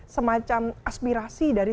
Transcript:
semacam aspirasi dari